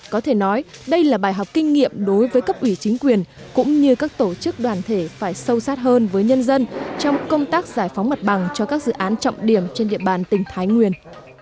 có thể nói đây là bài học kinh nghiệm đối với cấp ủy chính quyền cũng như các tổ chức đoàn thể phải sâu sát hơn với nhân dân trong công tác giải phóng mặt bằng cho các dự án trọng điểm trên địa bàn tỉnh thái nguyên